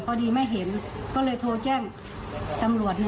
พอดีไม่เห็นก็เลยโทรแจ้งตำรวจ